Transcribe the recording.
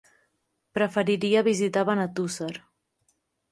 Preferiria visitar Benetússer.